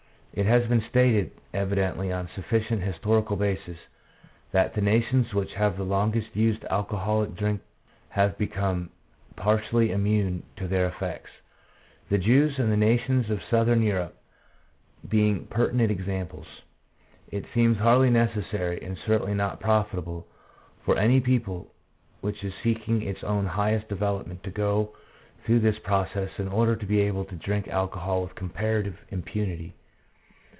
It has been stated, evidently on sufficient historical basis, that the nations which have longest used alcoholic drinks have become partially immune to their effects, the Jews and the nations of Southern Europe being pertinent examples. It seems hardly necessary, and certainly not profitable, for any people which is seeking its own highest development, to go through this process in order to be able to drink alcohol with comparative impunity.